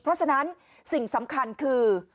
เพราะฉะนั้นสิ่งสำคัญคือ